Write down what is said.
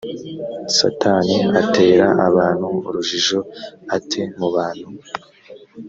satani atera abantu urujijo ate mubantu